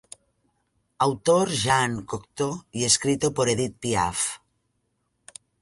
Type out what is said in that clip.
Autor Jean Cocteau y escrito por Edith Piaf.